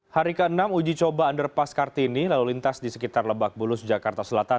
hari ke enam uji coba underpass kartini lalu lintas di sekitar lebak bulus jakarta selatan